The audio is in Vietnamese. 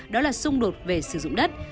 đó là xung đột về sử dụng đất